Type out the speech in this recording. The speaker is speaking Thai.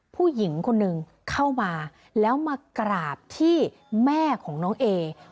ผู้หญิงคนหนึ่งเข้ามาแล้วมากราบที่แม่ของน้องเอ